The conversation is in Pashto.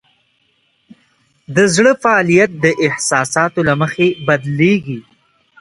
د زړه فعالیت د احساساتو له مخې بدلېږي.